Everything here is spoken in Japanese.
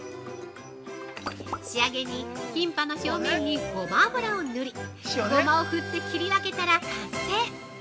◆仕上げに、キンパの表面にごま油を塗り、ごまを振って切り分けたら完成。